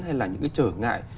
hay là những trở ngại